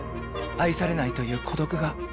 愛されないという孤独が。